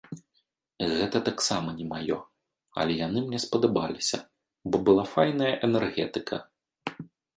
Гэта таксама не маё, але яны мне спадабаліся, бо была файная энергетыка.